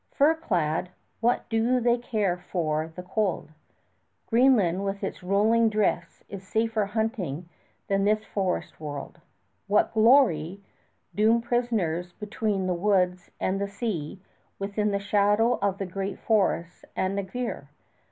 Fur clad, what do they care for the cold? Greenland with its rolling drifts is safer hunting than this forest world. What glory, doomed prisoners between the woods and the sea within the shadow of the great forests and a great fear?